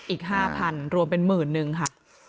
อีก๕๐๐๐บาทรวมเป็น๑๐๐๐๐บาทค่ะ